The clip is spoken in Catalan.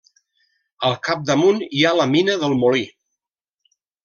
Al capdamunt, hi ha la Mina del Molí.